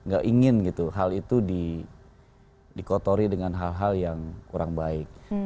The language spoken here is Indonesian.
gak ingin gitu hal itu dikotori dengan hal hal yang kurang baik